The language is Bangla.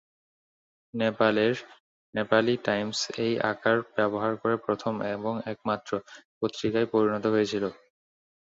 নেপালের, "নেপালি টাইমস" এই আকার ব্যবহার করে প্রথম এবং একমাত্র পত্রিকায় পরিণত হয়েছিল।